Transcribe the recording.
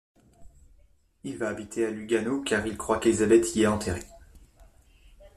Il va habiter à Lugano car il croit qu'Elisabeth y est enterrée.